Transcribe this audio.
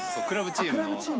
クラブチームの。